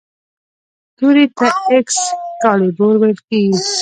تورې ته ایکس کالیبور ویل کیدل.